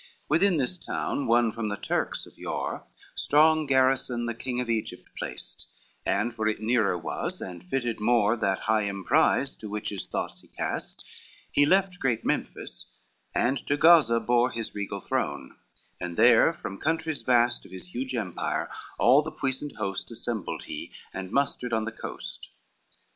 II Within this town, won from the Turks of yore Strong garrison the king of Egypt placed, And for it nearer was, and fitted more That high emprise to which his thoughts he cast, He left great Memphis, and to Gaza bore His regal throne, and there, from countries vast Of his huge empire all the puissant host Assembled he, and mustered on the coast.